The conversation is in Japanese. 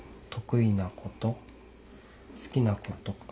得意なこと好きなこと